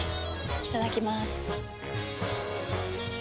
いただきまーす。